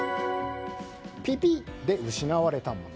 ピピッで失われたもの。